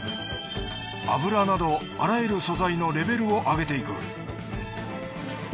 油などあらゆる素材のレベルを上げていく。